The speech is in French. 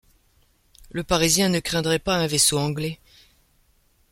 Le Parisien ne craindrait pas un vaisseau anglais. ..